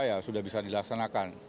ya sudah bisa dilaksanakan